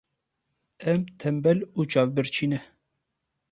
Em tembel û çavbirçî ne.